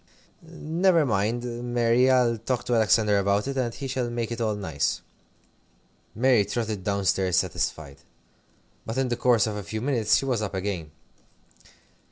"Never mind, Mary, I'll talk to Alexander about it, and he shall make it all nice." Mary trotted down stairs satisfied. But in the course of a few minutes she was up again.